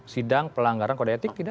sidang pelanggaran kode etik